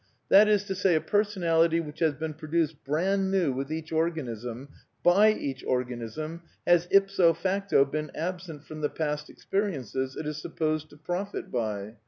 That is to say, a personality which has been produced brand new with each organism, by each organism, has ipso facto been ab sent from the past experiences it is supposed to profit by.